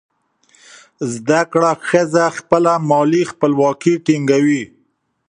زده کړه ښځه خپله مالي خپلواکي ټینګوي.